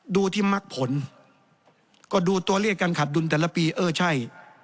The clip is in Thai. ดูที่มักผลก็ดูตัวเลขการขาดดุลแต่ละปีเออใช่